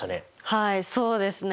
はいそうですね。